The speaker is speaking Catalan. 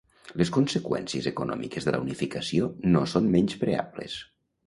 Les conseqüències econòmiques de la unificació no són menyspreables.